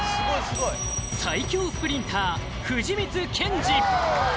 最強スプリンター藤光謙司